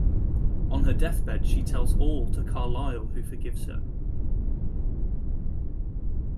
On her deathbed she tells all to Carlyle who forgives her.